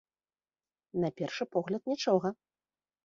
На першы погляд, нічога.